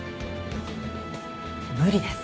無理です。